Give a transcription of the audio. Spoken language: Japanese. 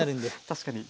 確かに。